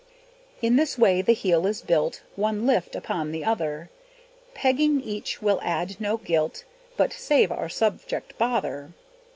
In this way the heel is built, One lift upon the other; Pegging each will add no guilt, But save our subject bother.